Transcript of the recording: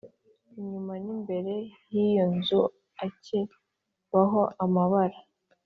Inyuma n imbere h iyo nzu akebaho amabara